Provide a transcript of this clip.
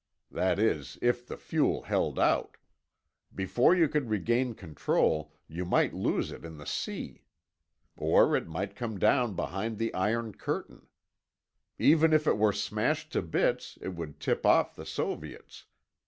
That is, if the fuel held out. Before you could regain control, you might lose it in the sea. Or it might come down behind the Iron Curtain. Even if it were I smashed to bits, it would tip off the Soviets.